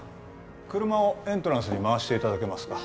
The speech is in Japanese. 車をエントランスに回していただけますか？